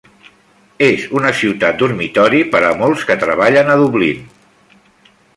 És una ciutat dormitori per a molts que treballen a Dublín.